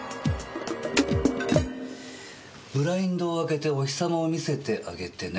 「ブラインドを開けてお日様を見せてあげてね」。